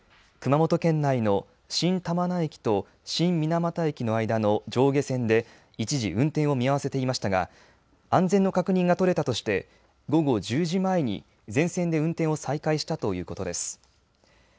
ＪＲ九州によりますと九州新幹線は地震の影響による安全確認のため熊本県内の新玉名駅と新水俣駅の間の上下線で一時運転を見合わせていましたが安全の確認が取れたとして午後１０時前に全線で運転を再開したということです。